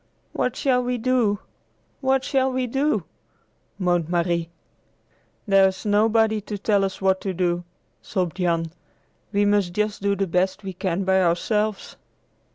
"What shall we do? What shall we do?" moaned Marie. "There's nobody to tell us what to do," sobbed Jan. "We must just do the best we can by ourselves."